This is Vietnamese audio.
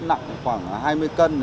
nặng khoảng hai mươi cân